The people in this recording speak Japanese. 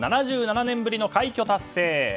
７７年ぶりの快挙達成。